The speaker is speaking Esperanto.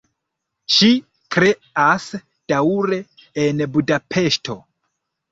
Ŝi kreas daŭre en Budapeŝto.